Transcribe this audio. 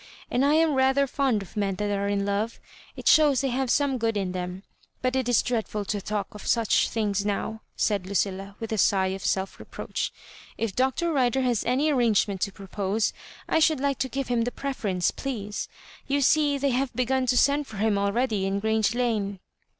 And I am rather fond of men that are in love— 4t shows they have some good in them. But it is dreadful to talk of such things now," said Lucilla, with a sigh of self reproach. " If Dr. Rider has any arrange ment to propose, I should like to give him the preference^ please. You see they have begun to send for him already in Grrange Lane."